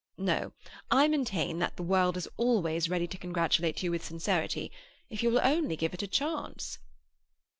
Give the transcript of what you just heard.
No; I maintain that the world is always ready to congratulate you with sincerity, if you will only give it a chance."